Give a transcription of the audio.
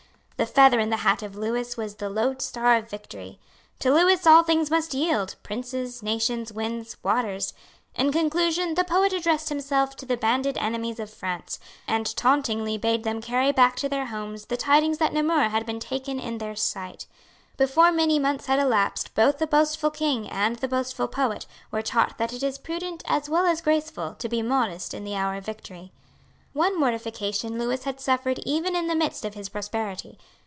The feather in the hat of Lewis was the loadstar of victory. To Lewis all things must yield, princes, nations, winds, waters. In conclusion the poet addressed himself to the banded enemies of France, and tauntingly bade them carry back to their homes the tidings that Namur had been taken in their sight. Before many months had elapsed both the boastful king and the boastful poet were taught that it is prudent as well as graceful to be modest in the hour of victory. One mortification Lewis had suffered even in the midst of his prosperity.